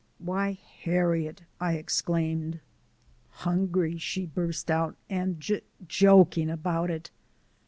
"Why, Harriet!" I exclaimed. "Hungry!" she burst out, "and j joking about it!"